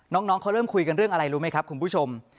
น้องเขาเริ่มคุยกันเรื่องอะไรรู้ไหมครับคุณผู้ชม